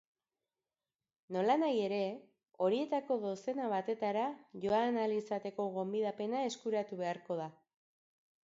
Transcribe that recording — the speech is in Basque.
Nolanahi ere, horietako dozena batetara joan ahal izateko gonbidapena eskuratu beharko da.